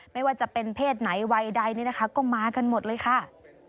ไม่ว่าจะเป็นเพศไหนวัยใดนี่นะคะก็มากันหมดเลยค่ะ